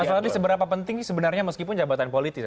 mas su tadi seberapa penting sebenarnya meskipun jabatan politik